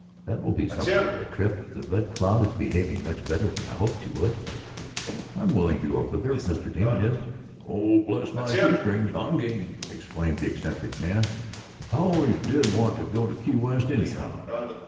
That will be something of a trip. The Red Cloud is behaving much better than I hoped she would." "I'm willing to go further if Mr. Damon is." "Oh, bless my shoe strings, I'm game!" exclaimed the eccentric man. "I always did want to go to Key West, anyhow."